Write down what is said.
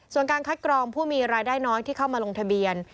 ส่วนการคัดกรองผู้มีรายได้น้อยที่เข้ามาลงทะเบียน